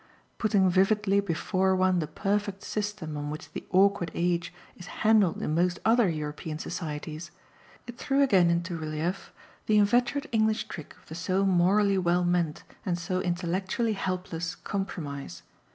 Putting vividly before one the perfect system on which the awkward age is handled in most other European societies, it threw again into relief the inveterate English trick of the so morally well meant and so intellectually helpless compromise.